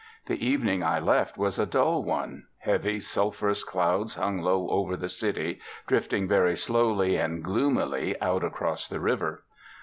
The evening I left was a dull one. Heavy sulphurous clouds hung low over the city, drifting very slowly and gloomily out across the river.